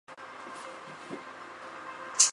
硬叶水毛茛为毛茛科水毛茛属下的一个种。